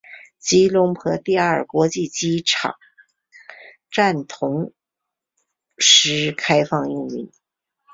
吉隆坡第二国际机场站同时开放运营。